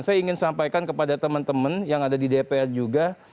saya ingin sampaikan kepada teman teman yang ada di dpr juga